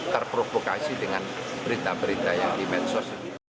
khususnya di wilayah ntb